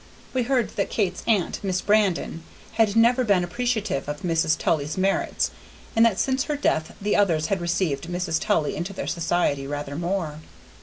We heard that Kate's aunt, Miss Brandon, had never been appreciative of Mrs. Tully's merits, and that since her death the others had received Mrs. Tully into their society rather more.